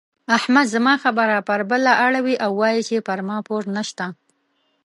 احمد زما خبره پر بله اړوي او وايي چې پر ما پور نه شته.